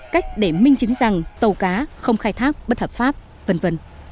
cách để minh chứng rằng tàu cá không khai thác bất hợp pháp v v